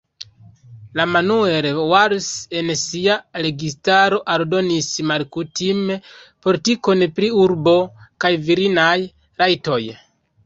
La Manuel Valls en sia registaro aldonis malkutime politikon pri urbo kaj virinaj rajtoj.